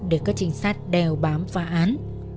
để các trình sát đèo bám phá án